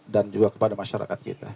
dan juga kepada masyarakat